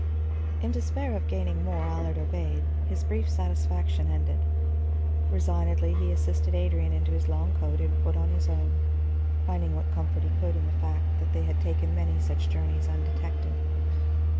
In despair of gaining more, Allard obeyed, his brief satisfaction ended. Resignedly he assisted Adrian into his long coat and put on his own, finding what comfort he could in the fact that they had taken many such journeys undetected.